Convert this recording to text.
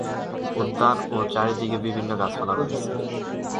উদ্যান ও তার চারদিকে বিভিন্ন গাছপালা রয়েছে।